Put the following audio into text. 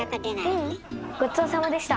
ううんごちそうさまでした！